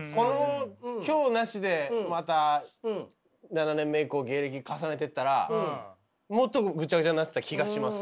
今日なしでまた７年目以降芸歴重ねてったらもっとぐちゃぐちゃになってた気がします。